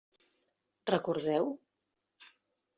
Recordeu?